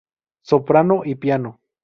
Soprano y Piano.